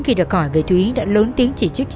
khi được hỏi về thúy đã lớn tiếng chỉ trích